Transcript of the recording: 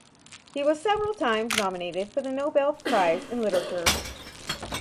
He was several times nominated for the Nobel Prize in Literature.